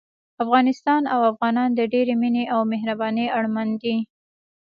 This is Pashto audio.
افغانستان او افغانان د ډېرې مينې او مهربانۍ اړمن دي